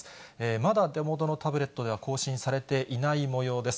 まだ手元のタブレットでは更新されていないもようです。